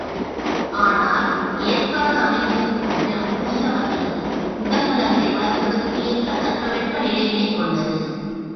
ஆனால் ஏர்க்காடு அமைந்திருக்கும் இடம் ஈரமற்றது உடல் நலத்தை வளர்ப்பதற்கேற்ற தட்ப வெப்ப நிலையினைக் கொண்டது.